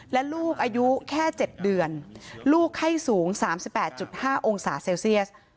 และลูกอายุแค่เจ็ดเดือนลูกไข้สูงสามสิบแปดจุดห้าองศาเซลเซียส